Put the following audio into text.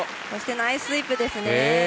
そしてナイススイープです。